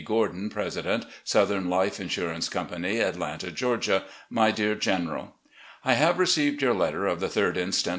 Gordon, President, "Southern Life Insurance Company, "Atlanta, Georgia. "My Dear General: I have received your letter of the 3d inst.